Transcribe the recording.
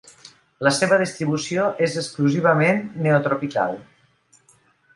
La seva distribució és exclusivament neotropical.